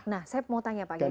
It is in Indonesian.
nah saya mau tanya pak geni